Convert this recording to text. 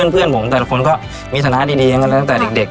เพื่อนผมแต่ละคนก็มีสาธารณะดีแล้วก็ตั้งแต่เด็ก